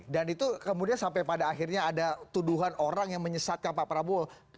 dan itu kemudian sampai pada akhirnya ada tuduhan orang yang menyesatkan pak prabowo